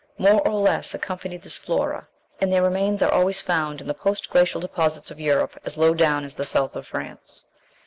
more or less accompanied this flora, and their remains are always found in the post glacial deposits of Europe as low down as the South of France.